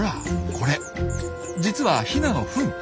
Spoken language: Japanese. これ実はヒナのフン。